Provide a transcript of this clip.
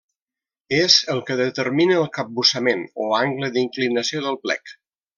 És el que determina el capbussament o angle d'inclinació del plec.